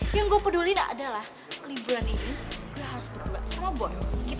yang gue peduli adalah liburan ini gue harus berdua sama bos